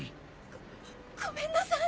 ごごめんなさい。